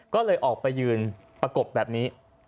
ก็เลยออกไปยืนประกบแบบนี้